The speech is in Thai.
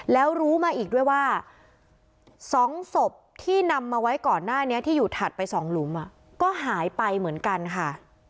แล้วรู้มาอีกด้วยว่า๒ศพที่นำมาไว้ก่อนหน้านี้ที่อยู่ถัดไป๒หลุมก็หายไปเหมือนกันค่ะ